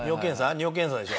尿検査でしょ？